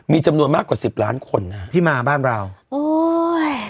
มีจำนวนมากกว่าสิบล้านคนนะฮะที่มาบ้านเราโอ้ย